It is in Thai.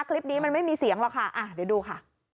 คลิปนี้มันไม่มีเสียงหรอกค่ะเดี๋ยวดูค่ะ